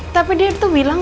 tapi dia tuh bilang